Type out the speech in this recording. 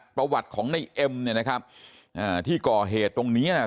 ประวัติของในเอ็มเนี่ยนะครับอ่าที่ก่อเหตุตรงนี้น่ะ